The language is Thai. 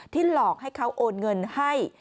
หลอกให้เขาโอนเงินให้